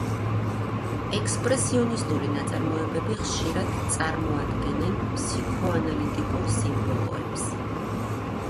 ექსპრესიონისტული ნაწარმოებები ხშირად წარმოაჩენენ ფსიქოანალიტიკურ სიმბოლოებს.